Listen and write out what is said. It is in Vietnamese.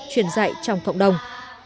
truyền dạy trong cộng đồng